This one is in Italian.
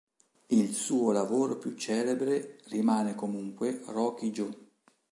Il suo lavoro più celebre rimane comunque "Rocky Joe".